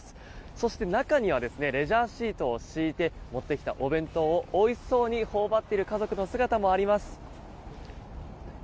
そして、中にはレジャーシートを敷いて持ってきたお弁当をおいしそうに頬張っている家族の姿もあります。